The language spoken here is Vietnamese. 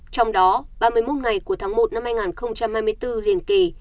trong đó ba mươi một ngày của tháng một năm hai nghìn hai mươi bốn liền kỳ